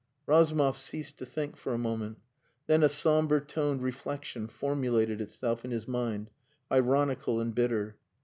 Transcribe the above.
Razumov ceased to think for a moment. Then a sombre toned reflection formulated itself in his mind, ironical and bitter.